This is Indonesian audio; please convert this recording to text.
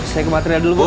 saya ke material dulu bos